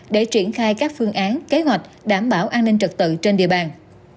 để triển khai các phương án kế hoạch đảm bảo an ninh trật tự trên địa bàn